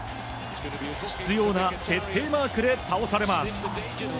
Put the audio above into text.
執拗な徹底マークで倒されます。